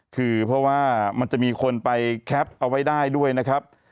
คือเพราะว่ามันจะมีคนไปแคปเอาไว้ได้ด้วยนะครับ